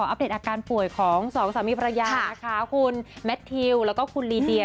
อัปเดตอาการป่วยของสองสามีภรรยานะคะคุณแมททิวแล้วก็คุณลีเดีย